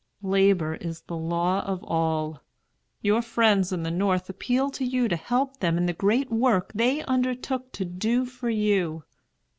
Labor is the law of all. Your friends in the North appeal to you to help them in the great work they undertook to do for you.